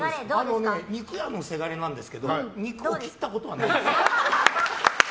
あのね、肉屋のせがれですけど肉を切ったことはないです。